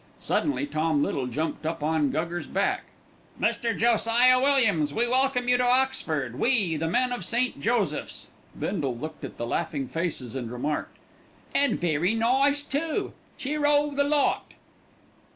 Suddenly Tom Little jumped up on Guggers' back. "Mr. Josiah Williams, we welcome you to Oxford, we, the men of St. Joseph's." Bindle looked at the laughing faces and remarked, "And very nice, too. Cheer oh the lot!"